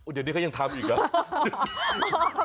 เดี๋ยวนี้เขายังทำอีกเหรอ